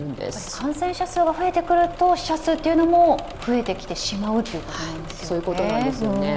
感染者数が増えてくると死者数も増えてきてしまうということなんですね。